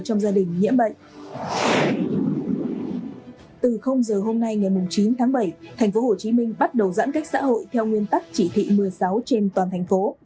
từ giờ hôm nay ngày chín tháng bảy tp hcm bắt đầu giãn cách xã hội theo nguyên tắc chỉ thị một mươi sáu trên toàn thành phố